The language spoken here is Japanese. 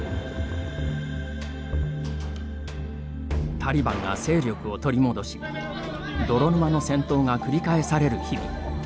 タリバンが勢力を取り戻し泥沼の戦闘が繰り返される日々。